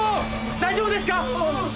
大丈夫ですか？